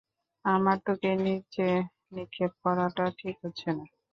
আমার তোকে নিচে নিক্ষেপ করাটা ঠিক হচ্ছে না!